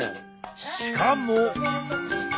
しかも。